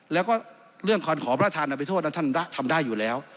แล้วก็เรื่องขอบรรทานอภิโฑะท่านทำได้อยู่แล้ว